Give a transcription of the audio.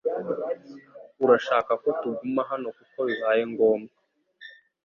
Urashaka ko tuguma hano kuko bibaye ngombwa